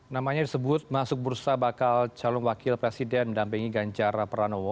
namanya disebut masuk bursa bakal calon wakil presiden mendampingi ganjar pranowo